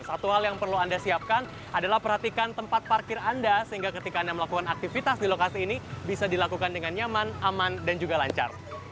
satu hal yang perlu anda siapkan adalah perhatikan tempat parkir anda sehingga ketika anda melakukan aktivitas di lokasi ini bisa dilakukan dengan nyaman aman dan juga lancar